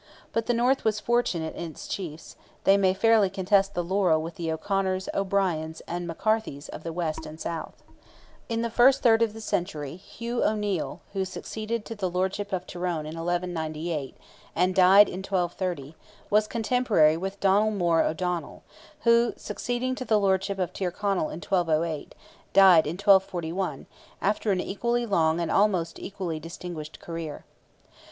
But the north was fortunate in its chiefs; they may fairly contest the laurel with the O'Conors, O'Briens and McCarthys of the west and south. In the first third of the century, Hugh O'Neil, who succeeded to the lordship of Tyrone in 1198, and died in 1230, was cotemporary with Donnell More O'Donnell, who, succeeding to the lordship of Tyrconnell in 1208, died in 1241, after an equally long and almost equally distinguished career.